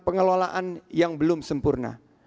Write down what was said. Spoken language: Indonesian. pengelolaan yang belum sempurna